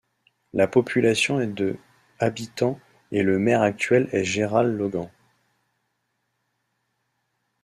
La population est de habitants et le maire actuel est Geral Logan.